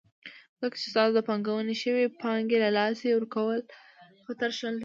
ځکه چې ستاسو د پانګونې شوي پانګې له لاسه ورکولو خطر شتون لري.